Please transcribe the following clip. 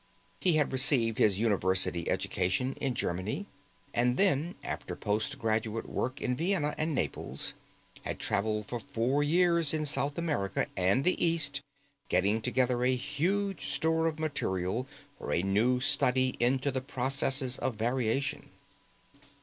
He had received his university education in Germany, and then, after post graduate work in Vienna and Naples, had traveled for four years in South America and the East, getting together a huge store of material for a new study into the processes of variation.